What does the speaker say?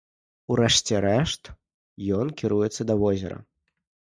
У рэшце рэшт, ён кіруецца да возера.